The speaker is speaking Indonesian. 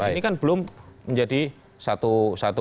ini kan belum menjadi satu satu keputusannya